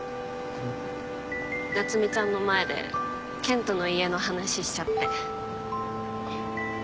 夏海ちゃんの前で健人の家の話しちゃって。